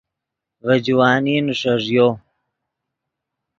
ڤے جوانی نیݰݱیو